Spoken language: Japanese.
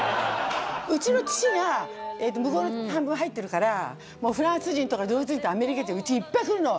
うちの父が向こうの半分入ってるからもうフランス人とかドイツ人とかアメリカ人家にいっぱい来るの。